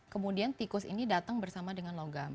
kemudian tikus ini datang bersama dengan logam